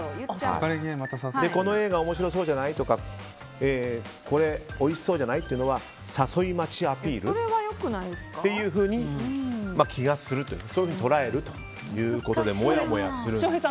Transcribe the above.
この映画面白そうじゃない？とかこれおいしそーじゃない？というのは誘い待ちアピールというふうに捉えるということでもやもやするそうです。